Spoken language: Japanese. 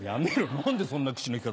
何でそんな口の利き方。